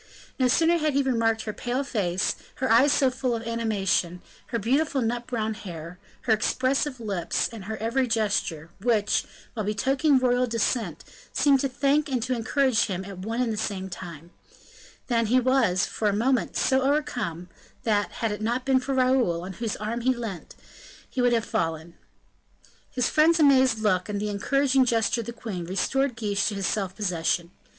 No sooner had he remarked her pale face, her eyes so full of animation, her beautiful nut brown hair, her expressive lips, and her every gesture, which, while betokening royal descent, seemed to thank and to encourage him at one and the same time, than he was, for a moment, so overcome, that, had it not been for Raoul, on whose arm he leant, he would have fallen. His friend's amazed look, and the encouraging gesture of the queen, restored Guiche to his self possession.